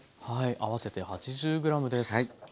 合わせて８０ｇです。